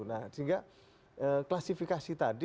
nah sehingga klasifikasi